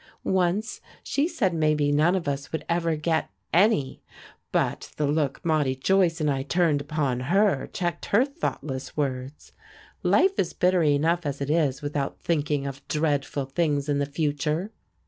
Once she said maybe none of us would ever get any; but the look Maudie Joyce and I turned upon her checked her thoughtless words. Life is bitter enough as it is without thinking of dreadful things in the future.